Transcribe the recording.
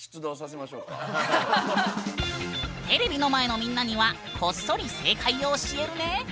テレビの前のみんなにはこっそり正解を教えるね！